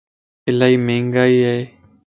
الائي مھنگائي ائي.